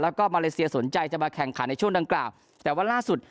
แล้วก็มาเลเซียสนใจจะมาแข่งขันในช่วงดังกล่าวแต่ว่าล่าสุด